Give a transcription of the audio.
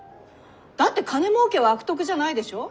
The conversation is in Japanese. だって金もうけは悪徳じゃないでしょ？